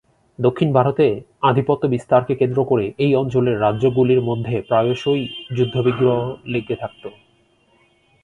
দক্ষিণ ভারতে আধিপত্য বিস্তারকে কেন্দ্র করে এই অঞ্চলের রাজ্যগুলির মধ্যে প্রায়শই যুদ্ধবিগ্রহ লেগে থাকত।